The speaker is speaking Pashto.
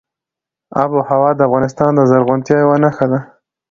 آب وهوا د افغانستان د زرغونتیا یوه نښه ده.